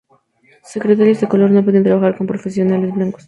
Secretarias de color no podían trabajar con profesionales blancos.